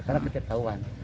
karena kita ketahuan